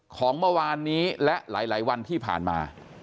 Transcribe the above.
ของเมื่อวานนี้และหลายวันที่ผ่านมา